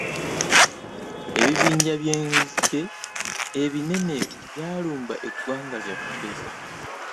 Ebibinja by'enzige ebinene byalumba eggwanga lyaffe.